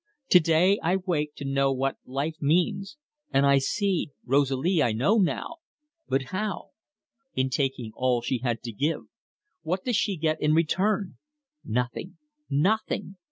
To day I wake to know what life means, and I see Rosalie! I know now but how? In taking all she had to give. What does she get in return? Nothing nothing.